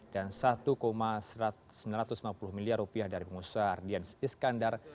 dan rp satu sembilan ratus lima puluh miliar dari pengusaha ardianis iskandar